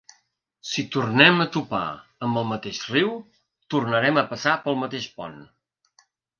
Si tornem a topar amb el mateix riu, tornarem a passar pel mateix pont.